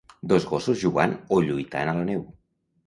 Dos gossos jugant o lluitant a la neu.